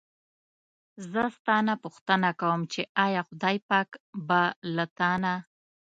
زه ستا نه پوښتنه کووم چې ایا خدای پاک به له تا نه.